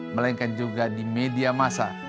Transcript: melainkan juga di media masa